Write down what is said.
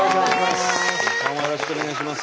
よろしくお願いします。